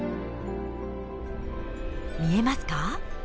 見えますか？